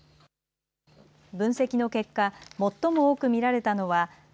分析の結果、最も多く見られたのは＃